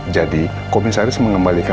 jadi komisaris mengembalikan saya